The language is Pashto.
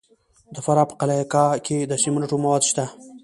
د فراه په قلعه کاه کې د سمنټو مواد شته.